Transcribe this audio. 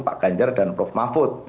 pak ganjar dan prof mahfud